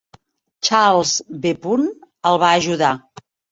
Charles B. el va ajudar.